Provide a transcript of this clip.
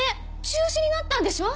中止になったんでしょ？